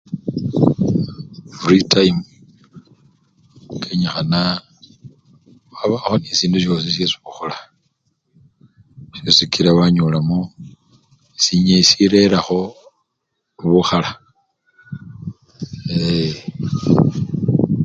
Mufrii tayimu kenyikhana wabakho nende sindu syesi okhola niosikila wanyolakho sinye sirerakho bukhala eee!